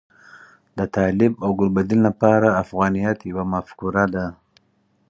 د طالب او ګلبدین لپاره افغانیت یوه مفکوره ده.